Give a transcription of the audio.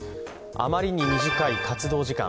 あまりに短い活動時間。